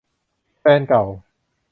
แฟนเก่า